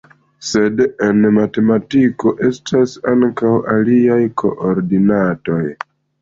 Sed en matematiko estas ankaŭ aliaj koordinatoj.